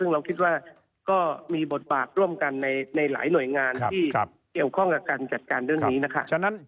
ซึ่งเราคิดว่าก็มีบทบาทร่วมกันในหลายหน่วยงานที่เกี่ยวข้องกับการจัดการเรื่องนี้นะคะ